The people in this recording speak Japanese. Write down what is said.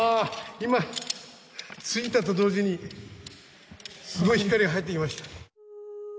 今着いたと当時にすごい光が入ってきました